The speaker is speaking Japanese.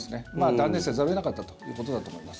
断念せざるを得なかったということだと思います。